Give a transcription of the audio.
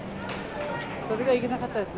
それがいけなかったですね。